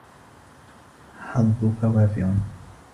حظّكِ وافر.